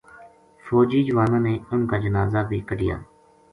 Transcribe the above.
فوجی جواناں نے انھ کا جنازا بے کڈھیا